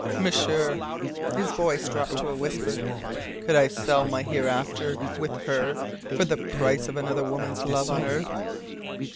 M'sieur" his voice dropped to a whisper "Could I sell my hereafter with her for the price of another woman's love on earth?"